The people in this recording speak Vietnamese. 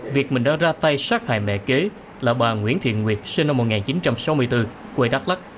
việc mình đã ra tay sát hại mẹ kế là bà nguyễn thiện nguyệt sinh năm một nghìn chín trăm sáu mươi bốn quê đắk lắc